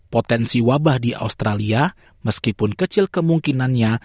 potensi wabah di australia meskipun kecil kemungkinannya